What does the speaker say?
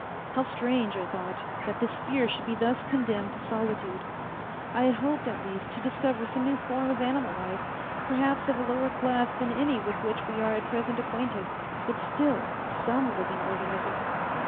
How strange, I thought, that this sphere should be thus condemned to solitude! I had hoped, at least, to discover some new form of animal life, perhaps of a lower class than any with which we are at present acquainted, but still some living organism.